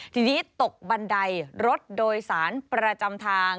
ทีนี้ตกบันไดรถโดยสารประจำทาง